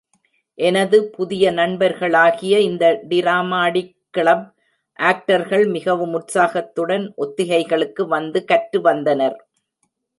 எனது புதிய நண்பர்களாகிய இந்த டிராமாடிக் கிளப் ஆக்டர்கள் மிகவும் உற்சாகத்துடன் ஒத்திகைகளுக்கு வந்து கற்று வந்தனர்.